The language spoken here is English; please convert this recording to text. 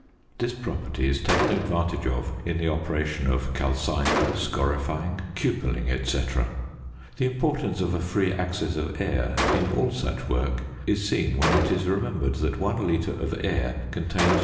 This property is taken advantage of in the operation of calcining, scorifying, cupelling, &c. The importance of a free access of air in all such work is seen when it is remembered that 1 litre of air contains 0.